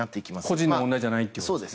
個人の問題じゃないということですね。